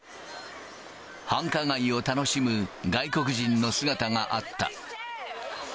繁華街を楽しむ外国人の姿があった。